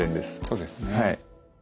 そうですね。